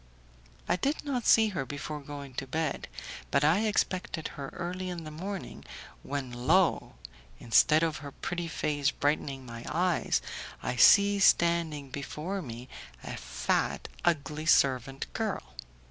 I did not see her before going to bed, but I expected her early the next morning, when lo! instead of her pretty face brightening my eyes, I see standing before me a fat, ugly servant girl!